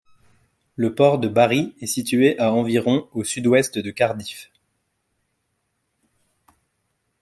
Le port de Barry est situé a environ au sud-ouest de Cardiff.